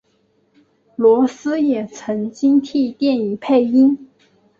罗斯也曾经替电影配音。